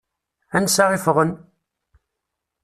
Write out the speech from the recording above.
Ansa i ffɣen?